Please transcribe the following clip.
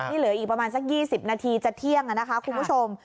นี่เหลืออีกประมาณสัก๒๐นาทีจะเที่ยงนะคะคุณผู้ชม